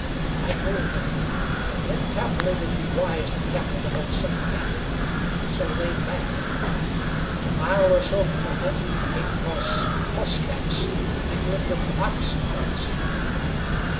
I trailed them, but didn't calkilate it'd be wise to tackle the bunch single handed, so laid back. A mile or so from the hut I came across hoss tracks minglin' with the moccasin prints.